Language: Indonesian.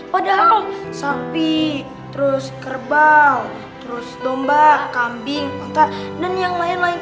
padahal sapi terus kerbau terus domba kambing dan yang lain lain